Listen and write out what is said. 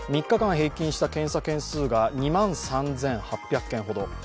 ３日間平均した検査件数が２万３８００件ほど。